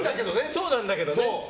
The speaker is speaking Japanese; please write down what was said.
そうなんだけどね。